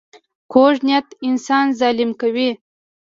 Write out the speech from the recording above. کوږ نیت انسان ظالم کوي